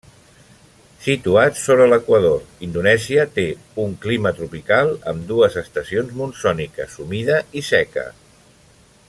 Situat sobre l'equador, Indonèsia té un clima tropical amb dues estacions monsòniques humida i seca.